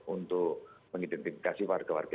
untuk mengidentifikasi warga warga